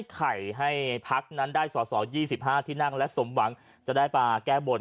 ไข่ให้พักนั้นได้สอสอ๒๕ที่นั่งและสมหวังจะได้มาแก้บน